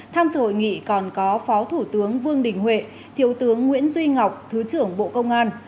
tham dự hội nghị còn có phó thủ tướng vương đình huệ thiếu tướng nguyễn duy ngọc thứ trưởng bộ công an